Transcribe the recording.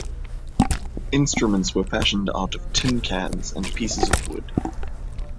Instruments were fashioned out of tin cans and pieces of wood.